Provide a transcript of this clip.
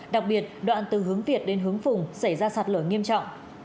đặc biệt đoạn từ hướng việt đến hướng phùng xảy ra sạt lở nghiêm trọng